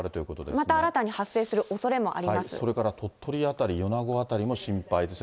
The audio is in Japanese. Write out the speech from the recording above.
また新たに発生するおそれもそれから鳥取辺り、米子辺りも心配ですね。